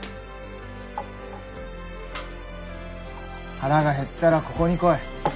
腹が減ったらここに来い。